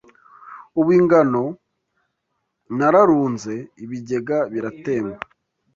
Ubu ingano nararunze Ibigega biratemba